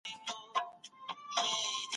تاسي بايد خپل سبقونه هره ورځ زده کړئ.